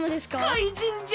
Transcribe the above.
かいじんじゃ！